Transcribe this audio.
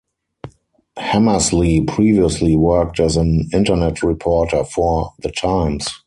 Hammersley previously worked as an internet reporter for "The Times".